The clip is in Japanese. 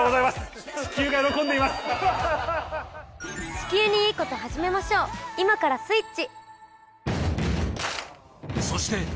地球にいいこと始めましょう今からスイッチ。